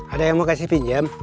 ada yang mau kasih pinjam